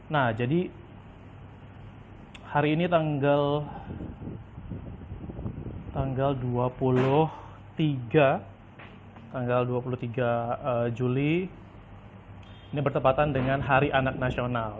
nah jadi hari ini tanggal dua puluh tiga juli ini bertepatan dengan hari anak nasional